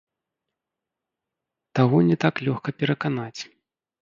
Таго не так лёгка пераканаць.